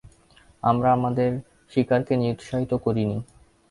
আমরা আমাদের শিকারকে নিরুৎসাহিত করিনি।